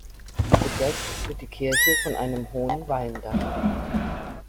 Bedeckt wird die Kirche von einem hohen Walmdach.